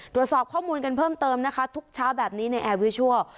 ตรวจสอบข้อมูลกันเพิ่มเติมนะคะทุกเช้าแบบนี้ในแอร์วิชัล